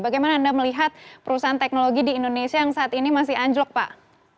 bagaimana anda melihat perusahaan teknologi di indonesia yang saat ini masih anjlok pak